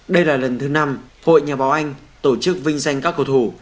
đây là lần thứ năm hội nhà báo anh tổ chức vinh danh các cầu thủ